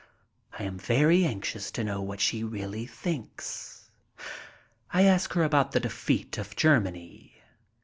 I am very anx ious to know what she really thinks. I ask her about the defeat of Germany.